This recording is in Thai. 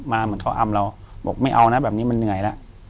เหมือนเขาอำเราบอกไม่เอานะแบบนี้มันเหนื่อยแล้ว